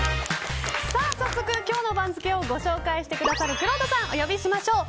早速今日の番付をご紹介してくださるくろうとさんお呼びしましょう。